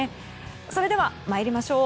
それでは参りましょう。